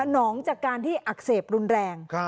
น้องจากการที่อักเสบรุนแรง